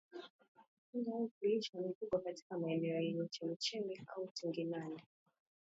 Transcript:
Kuchunga au kulisha mifugo katika maeneo yenye chemchemi au tindigani